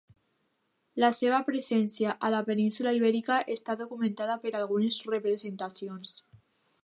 La seva presència a la península Ibèrica està documentada per algunes representacions.